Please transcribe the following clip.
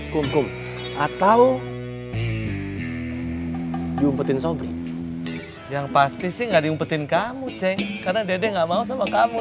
kumkum atau diumpetin sombri yang pasti sih enggak diumpetin kamu ceng karena dede nggak mau sama kamu